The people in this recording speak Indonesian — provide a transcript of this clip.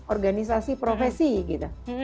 organisasi profesi gitu